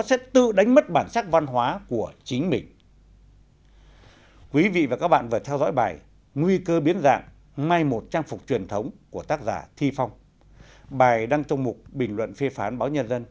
sẽ tự đánh mất bản sắc văn hóa của chính mình